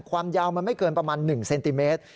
ความยาวมันไม่เกินประมาณ๑เซนติเมตร